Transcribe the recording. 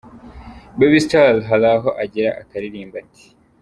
Baby Style hari aho agera akaririmba ati:.